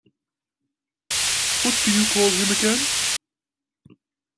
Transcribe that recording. What do you call him again?